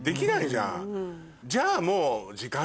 じゃあもう。